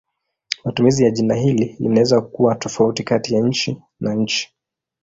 Matumizi ya jina hili linaweza kuwa tofauti kati ya nchi na nchi.